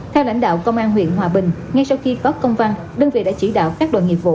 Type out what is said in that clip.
theo lãnh đạo công an huyện hòa bình ngay sau khi có công văn đơn vị đã chỉ đạo các đoàn nghiệp vụ